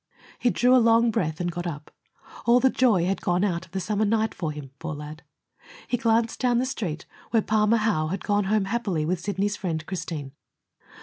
He drew a long breath and got up. All the joy had gone out of the summer night for him, poor lad. He glanced down the Street, where Palmer Howe had gone home happily with Sidney's friend Christine.